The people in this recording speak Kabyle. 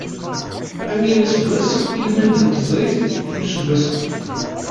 Am yal aseggas, ilmend n teẓrigt n useggas-a.